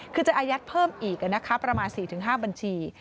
คือจะอายัดเพิ่มอีกประมาณ๔๕บัญชี